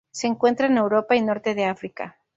Se encuentra en Europa y Norte de África.